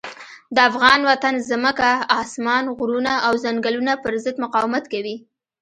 د افغان وطن ځمکه، اسمان، غرونه او ځنګلونه پر ضد مقاومت کوي.